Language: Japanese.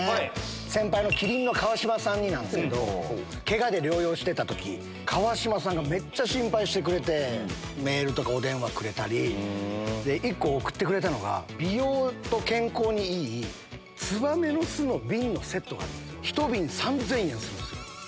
先輩の麒麟の川島さんになんですけど、けがで療養してたとき、川島さんがめっちゃ心配してくれて、メールとかお電話くれたり、１個、送ってくれたのが、美容と健康にいいツバメの巣の瓶のセットが、１瓶３０００円するんですよ。